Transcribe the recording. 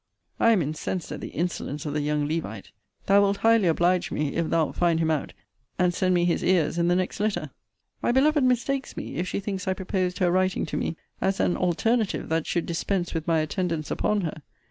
I am incensed at the insolence of the young Levite. Thou wilt highly oblige me, if thou'lt find him out, and send me his ears in the next letter. My beloved mistakes me, if she thinks I proposed her writing to me as an alternative that should dispense with my attendance upon her.